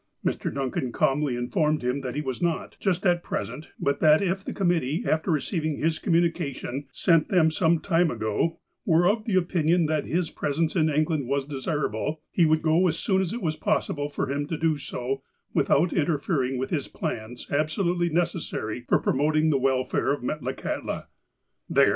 Mr. Duncan calmly informed him that he was not, just at present, but that if the committee, after receiving his communication, sent them some time ago, were of the opinion that his i^resence in England was desirable, he would go as soon as it was possible for him to do so with out interfering with his plans absolutely necessary for promoting the welfare of Metlakahtla. "There